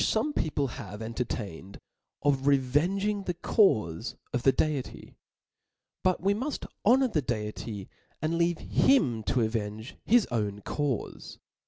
forac people have entertained of revenging the caufe of the Deity. But we muft honor the Deity, apd leave him to avenge his own caufe.